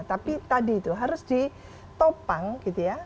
tapi tadi itu harus ditopang gitu ya